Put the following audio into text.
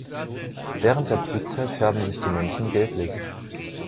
Während der Brutzeit färben sich die Männchen gelblich.